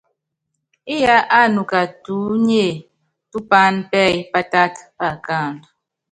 Íyá ánuka tuúnye tú paán pɛ́ɛ́y pátát paakándɔ́.